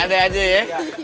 ada ada aja ya